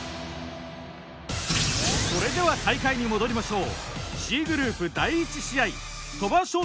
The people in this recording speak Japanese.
それでは大会に戻りましょう。